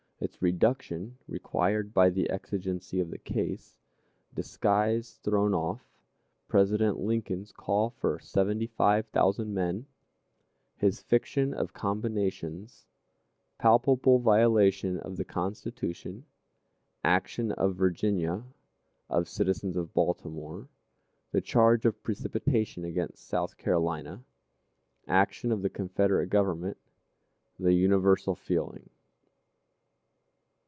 Its Reduction required by the Exigency of the Case. Disguise thrown off. President Lincoln's Call for Seventy five Thousand Men. His Fiction of "Combinations." Palpable Violation of the Constitution. Action of Virginia. Of Citizens of Baltimore. The Charge of Precipitation against South Carolina. Action of the Confederate Government. The Universal Feeling.